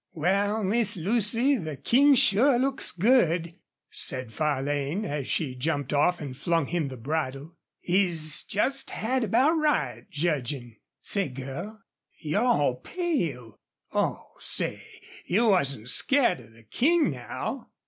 "Wal, Miss Lucy, the King sure looks good," said Farlane, as she jumped off and flung him the bridle. "He's just had about right, judgin'.... Say, girl, you're all pale! Oh, say, you wasn't scared of the King, now?"